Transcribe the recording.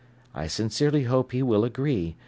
I sincerely hope he will agree.